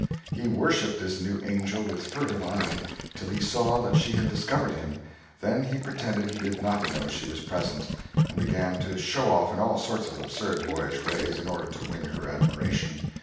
He worshipped this new angel with furtive eye, till he saw that she had discovered him; then he pretended he did not know she was present, and began to "show off" in all sorts of absurd boyish ways, in order to win her admiration.